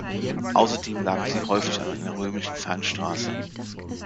Außerdem lagen sie häufig an einer römischen Fernstraße.